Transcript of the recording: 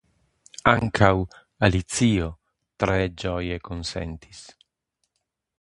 Ankaŭ Alicio tre ĝoje konsentis.